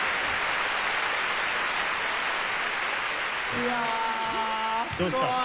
いやすごい！